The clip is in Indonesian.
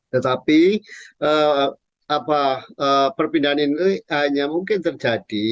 tetapi perpindahan ini hanya mungkin terjadi